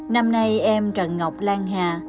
năm nay em trần ngọc lan hạ